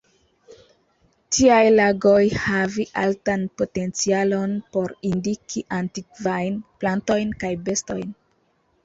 Tiaj lagoj havi altan potencialon por indiki antikvajn plantojn kaj bestojn.